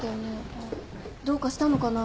どうかしたのかな。